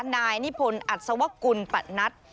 นายนิพนธ์อัศวกุลปะนัท